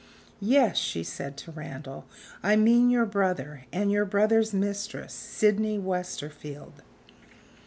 "Yes," she said to Randal; "I mean your brother, and your brother's mistress Sydney Westerfield."